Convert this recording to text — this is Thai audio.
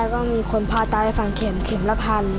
แล้วก็มีคนพาตาไปฝั่งเข็มละพัน